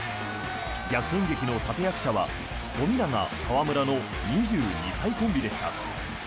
逆転劇の立役者は、富永・河村の２２歳コンビでした。